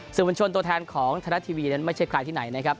สื่อมวลชนตัวแทนของธนัดทีวีนั้นไม่ใช่ใครที่ไหนนะครับ